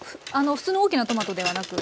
普通の大きなトマトではなく。